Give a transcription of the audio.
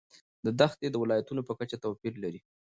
دښتې د ولایاتو په کچه توپیر لري.